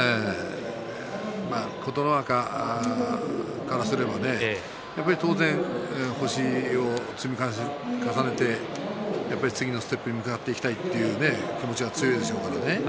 琴ノ若からすれば当然、星を積み重ねて次のステップに向かっていきたいという気持ちは強いでしょうからね。